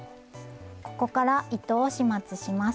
ここから糸を始末します。